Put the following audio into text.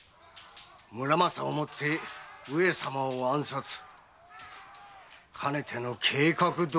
「村正」で上様を暗殺かねての計画どおりよ。